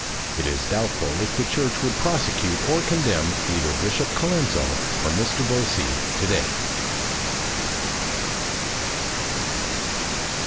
It is doubtful if the church would prosecute or condemn either Bishop Colenso or Mr. Voysey to day.